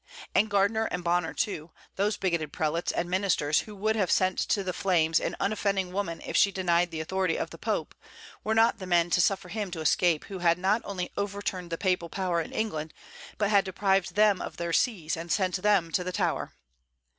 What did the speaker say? And Gardiner and Bonner, too, those bigoted prelates and ministers who would have sent to the flames an unoffending woman if she denied the authority of the Pope, were not the men to suffer him to escape who had not only overturned the papal power in England, but had deprived them of their sees and sent them to the Tower.